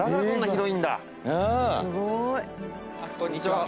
こんにちは。